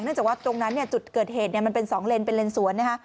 เนื่องจากว่าตรงนั้นจุดเกิดเหตุมันเป็น๒เลนเป็นเลนสวน